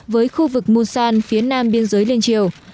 với khu vực monsan phía nam biên giới liên triều